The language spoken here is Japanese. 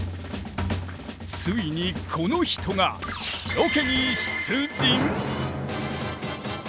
ついにこの人がロケに出陣